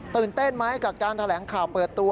ตื่นเต้นไหมกับการแถวงกลางการเผ่าเปิดตัว